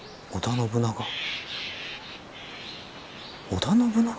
織田信長。